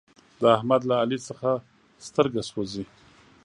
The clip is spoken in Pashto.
د احمد له علي څخه سترګه سوزي.